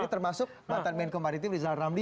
termasuk mantan menko maritim rizal ramli